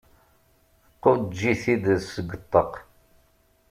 Tquǧǧ-it-id seg ṭṭaq.